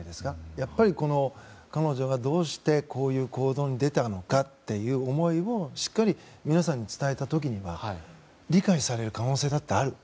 やっぱり、彼女がどうしてこういう行動に出たかという思いをしっかり皆さんに伝えた時には理解される可能性だってある。